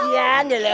kemudian ya lo